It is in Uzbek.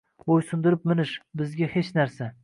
Bo’ysundirib minish – bizga hech narsa.